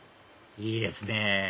いいですね